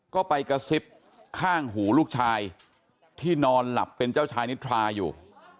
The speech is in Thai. ก็ไปกระซิบข้างหูลูกชายที่นอนหลับเป็นเจ้าชายนิทราอยู่